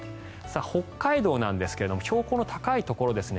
北海道なんですが標高の高いところですね